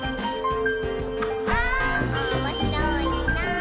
「おもしろいなぁ」